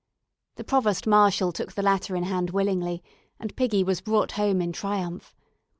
The Provost marshal took the latter in hand willingly, and Piggy was brought home in triumph.